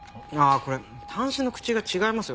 これ端子の口が違いますよ。